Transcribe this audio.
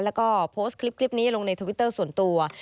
แล้วก็โพสต์คลิปนี้ลงในทวิตเตอร์ส่วนตัว